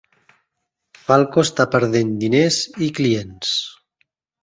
Falco està perdent diners i clients.